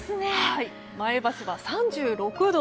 前橋は３６度。